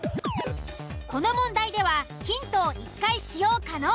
この問題ではヒントを１回使用可能。